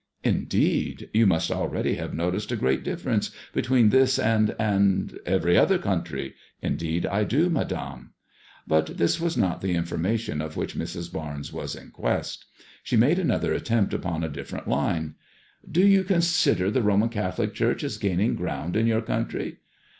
'' Indeed I You must already have noticed a great difference between this and — and " "Every other country. In deed I do, Madame." But this was not the informa tion of which Mrs. Barnes was in quest. She made another attempt upon a different line/ " Do you consider the Roman Catholic Church is gaining ground in your country